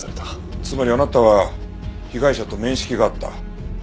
つまりあなたは被害者と面識があった。